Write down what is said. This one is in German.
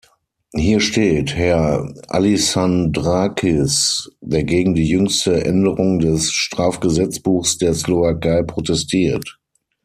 Hier steht: "Herr Alyssandrakis, der gegen die jüngste Änderung des Strafgesetzbuchs der Slowakei protestiert".